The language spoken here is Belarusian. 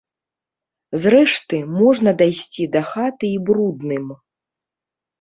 Зрэшты, можна дайсці да хаты і брудным.